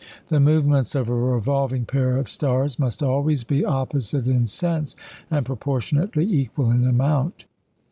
The movements of a revolving pair of stars must always be opposite in sense, and proportionately equal in amount.